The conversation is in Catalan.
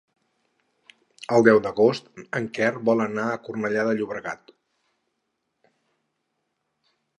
El deu d'agost en Quer vol anar a Cornellà de Llobregat.